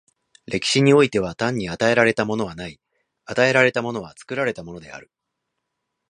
歴史においては、単に与えられたものはない、与えられたものは作られたものである。